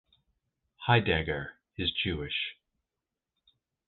Heidegger is Jewish.